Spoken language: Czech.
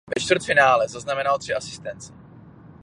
Ve čtvrtfinále zaznamenal tři asistence.